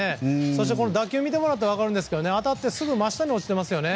そして、打球を見てもらったら分かるんですが、当たってすぐに真下に落ちてますよね。